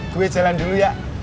gue jalan dulu ya